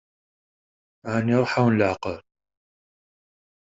Ɛni iṛuḥ-awen leɛqel?